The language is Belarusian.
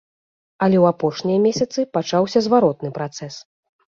Але ў апошнія месяцы пачаўся зваротны працэс.